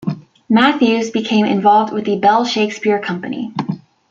Matthews became involved with the Bell Shakespeare Company.